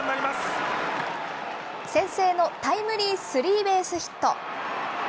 先制のタイムリースリーベースヒット。